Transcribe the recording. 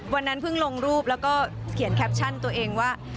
วันนั้นเพิ่งลงรูปแล้วก็เขียนแคปชั่นตัวเองว่า